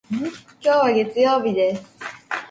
今日は月曜日です。